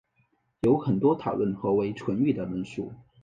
有很多讨论何为纯育的论述。